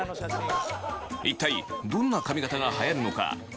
一体どんな髪形が流行るのか？